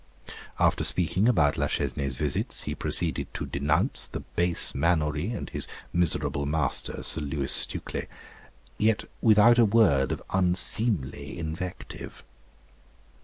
After speaking about La Chesnée's visits, he proceeded to denounce the base Mannourie and his miserable master Sir Lewis Stukely, yet without a word of unseemly invective.